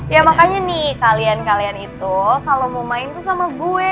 ya makanya nih kalian kalian itu kalau mau main tuh sama gue